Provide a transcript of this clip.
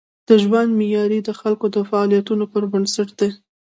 د ژوند معیاري د خلکو د فعالیتونو پر بنسټ دی.